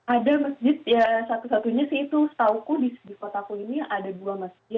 ada masjid ya satu satunya sih itu setahuku di kotaku ini ada dua masjid